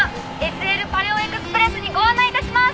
ＳＬパレオエクスプレスにご案内致します！